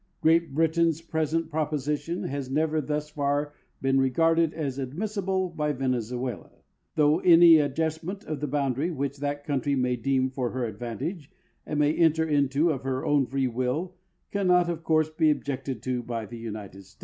Great Britain's present proposition has never thus far been regarded as admissible by Venezuela, though any adjustment of the boundarj'^ which that country may deem for her advantage and may enter into of her own free will cannot of course be objected to by the United States.